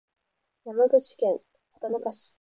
山口県畑中市